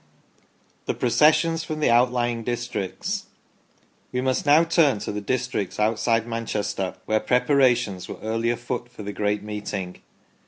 THE PROCESSIONS FROM THE OUTLYING DISTRICTS. We must now turn to the districts outside Manchester, where pre parations were early afoot for the great meeting.